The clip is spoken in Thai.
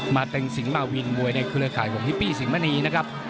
เต็งสิงหมาวินมวยในเครือข่ายของฮิปปี้สิงหมณีนะครับ